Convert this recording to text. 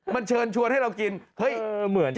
มันเชิญชวนให้เรากินเฮ้ยเหมือนจะ